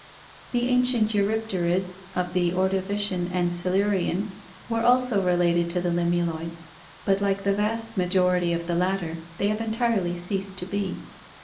The ancient eurypterids of the Ordovician and Silurian (see Chapter XXVIII) were also related to the lim uloids, but like the vast majority of the latter they have entirely ceased to be.